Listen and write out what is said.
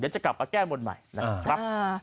จะกลับมาแก้บนใหม่นะครับ